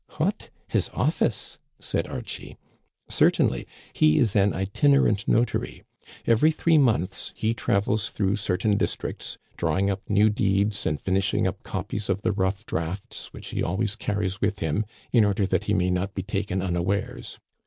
" What ! His office }" said Archie. " Certainly. He is an itinerant notary. Every three months he travels through certain districts, drawing up new deeds and finishing up copies of the rough drafts which he always carries with him in order that he may not be taken unawares.